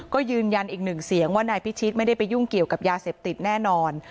ก็ยืนยันอีกหนึ่งเสียงว่านายพิชิตไม่ได้ไปยุ่งเกี่ยวกับยาเสพติดแน่นอน